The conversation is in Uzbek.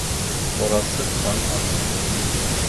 • Xo‘rozsiz tong otmaydi.